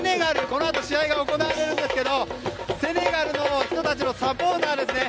このあと試合が行われるんですがセネガルの人たちのサポーターですね。